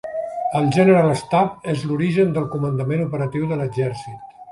El Generalstab és l'origen del Comandament Operatiu de l'Exèrcit.